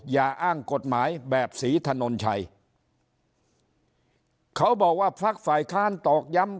อย่าอ้างกฎหมายแบบศรีถนนชัยเขาบอกว่าพักฝ่ายค้านตอกย้ำ